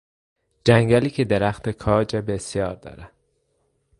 جنگلی که درخت کاج بسیار دارد